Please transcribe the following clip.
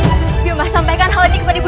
ayo mbah sampaikan kepadamu